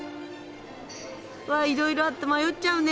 うわいろいろあって迷っちゃうね。